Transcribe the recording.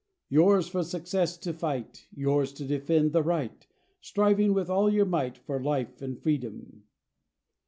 Yours for success to fight; Yours to defend the right; Striving with all your might For life and freedom.